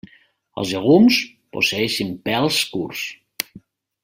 Els llegums posseeixen pèls curts.